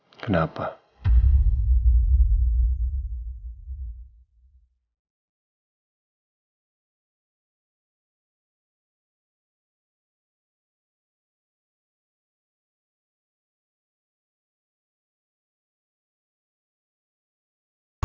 gihan pengen menjawab short film ini mau tahu